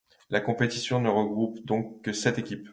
La compétition ne regroupe donc que sept équipes.